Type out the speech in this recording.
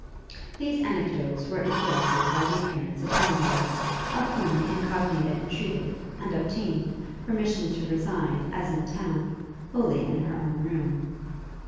These anecdotes were interrupted by the appearance of Elinor, of whom the Incognita entreated, and obtained, permission to reside, as in town, wholly in her own room.